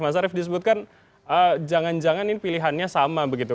mas arief disebutkan jangan jangan ini pilihannya sama begitu